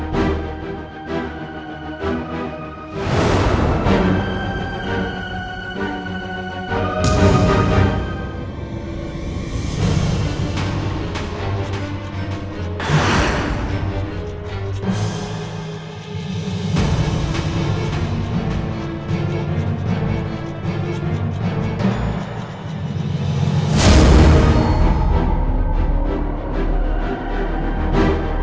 bunga di jemput